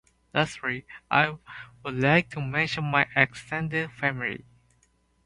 Lastly, I would like to mention my extended family.